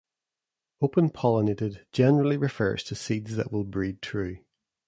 "Open pollinated" generally refers to seeds that will "breed true".